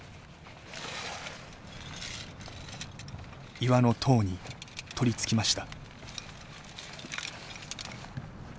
岩の塔に取りつきました。